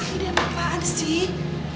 gak ada apa apaan sih